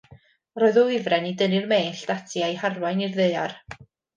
Roedd y wifren i dynnu'r mellt ati a'u harwain i'r ddaear.